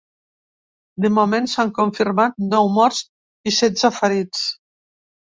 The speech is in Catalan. De moment, s’han confirmat nou morts i setze ferits.